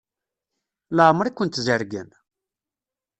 Leɛmeṛ i kent-zerrgen?